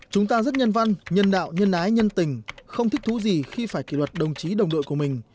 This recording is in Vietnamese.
chúng ta rất nhân văn nhân đạo nhân ái nhân tình không thích thú gì khi phải kỷ luật đồng chí đồng đội của mình